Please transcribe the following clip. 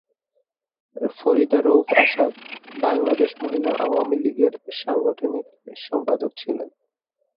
ফরিদা রউফ আশা বাংলাদেশ মহিলা আওয়ামী লীগের সাংগঠনিক সম্পাদক ছিলেন।